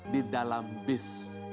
di dalam bis